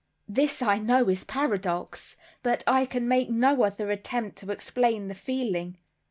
This I know is paradox, but I can make no other attempt to explain the feeling.